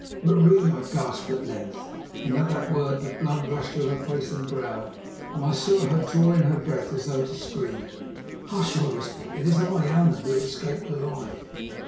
"Marie!" I gasped at length; and at that word the blood rushed to her face and brow, and I saw her draw in her breath as though to scream. "Hush!" I whispered. "It is I, Allan, who have escaped alive."